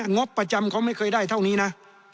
งบประจำเขาไม่เคยได้เท่านี้นะ